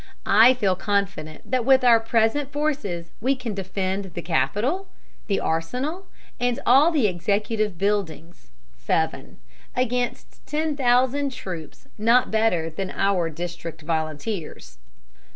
I feel confident that with our present forces we can defend the Capitol, the Arsenal, and all the executive buildings (seven) against ten thousand troops not better than our District volunteers."